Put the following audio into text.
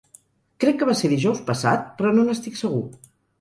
Crec que va ser dijous passat, però no n'estic segur.